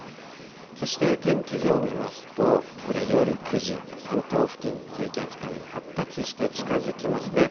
そして、天気図を見ますと、これ、夜９時、関東付近、低気圧かなり発達して近づきますね。